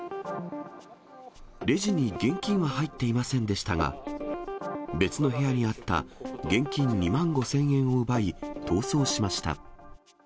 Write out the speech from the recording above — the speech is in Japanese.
レジに現金は入っていませんでしたが、別の部屋にあった現金２万５０００円を奪い、逃走しました。